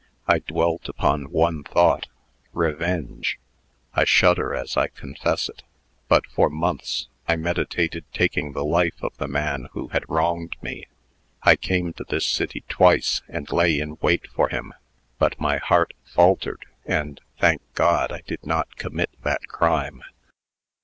I dwelt upon one thought revenge. I shudder as I confess it, but, for months, I meditated taking the life of the man who had wronged me. I came to this city twice, and lay in wait for him; but my heart faltered, and, thank God! I did not commit that crime.